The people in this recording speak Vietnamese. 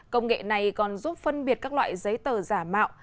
công nghệ này còn giúp phân biệt các loại giấy tờ giả mạo